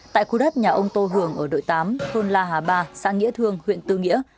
tại khu đất nhà ông tô hường ở đội tám thôn la hà ba xã nghĩa thương huyện tư nghĩa